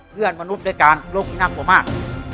เพื่อนมนุษย์ด้วยการโรคที่น่ากลัวมาก